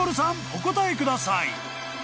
お答えください］